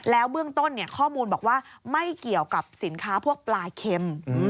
แล้วเบื้องต้นข้อมูลบอกว่าไม่เกี่ยวกับสินค้าพวกปลาเข็ม